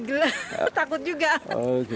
enggak takut juga